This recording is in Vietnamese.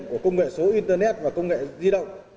của công nghệ số internet và công nghệ di động